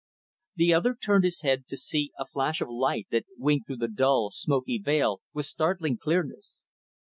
The other turned his head to see a flash of light that winked through the dull, smoky veil, with startling clearness.